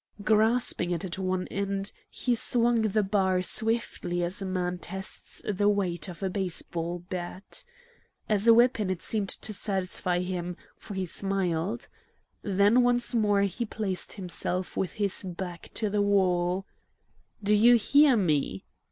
Grasping it at one end, he swung the bar swiftly as a man tests the weight of a baseball bat. As a weapon it seemed to satisfy him, for he smiled. Then once more he placed himself with his back to the wall. "Do you hear me?"